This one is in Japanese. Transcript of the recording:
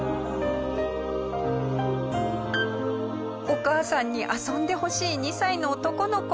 お母さんに遊んでほしい２歳の男の子。